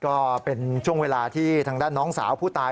ก็เป็นช่วงเวลาที่ทางด้านน้องสาวผู้ตาย